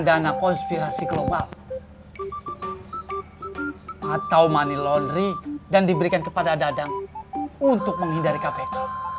dana konspirasi global atau money laundry dan diberikan kepada dadang untuk menghindari kpk